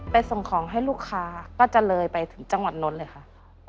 ส่งของให้ลูกค้าก็จะเลยไปถึงจังหวัดโน้นเลยค่ะ